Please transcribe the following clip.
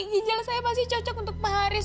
ginjal saya masih cocok untuk pak haris